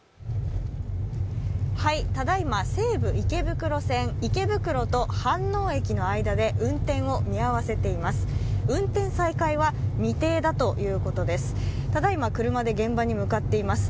ただいま、西武池袋線、池袋と飯能駅の間で運転を見合わせています。